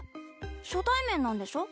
初対面なんでしょ？